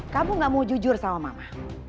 kamu gak mau jujur sama mama